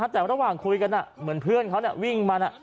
แต่ระหว่างคุยกันเหมือนเพื่อนเขาวิ่งมา